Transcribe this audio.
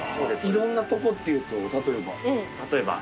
いろんなとこっていうと例えば？